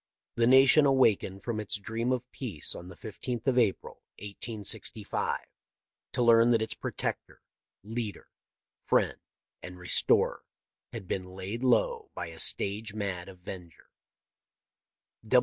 The nation awakened from its dream of peace on the 15th of April, 1865, to learn that its protector, leader, friend, and restorer had been laid low by a stage mad 'avenger.'